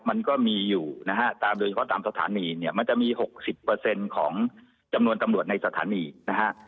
มันก็มีอยู่นะฮะตามโดยเฉพาะตามสถานีเนี่ยมันจะมี๖๐ของจำนวนตำรวจในสถานีนะฮะ